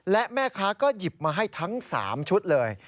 และแม่ค้าก็หยิบมาให้ทั้ง๓ชุดเลย